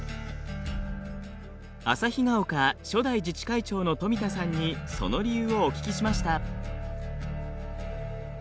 旭ヶ丘初代自治会長の富田さんにその理由をお聞きしました。